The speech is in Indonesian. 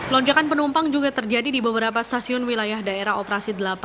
lonjakan penumpang juga terjadi di beberapa stasiun wilayah daerah operasi delapan